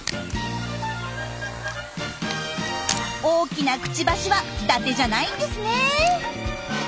大きなクチバシはだてじゃないんですね！